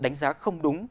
đánh giá không đúng